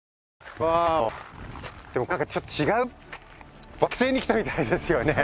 ワオでもこれなんかちょっと違う惑星に来たみたいですよね。